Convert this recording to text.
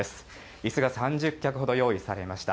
椅子が３０脚ほど用意されました。